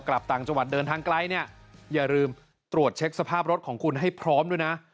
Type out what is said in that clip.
กลับต่างจังหวัดเดินทางไกลเนี่ยอย่าลืมตรวจเช็คสภาพรถของคุณให้พร้อมด้วยนะ